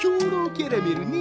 キャラメルねえ。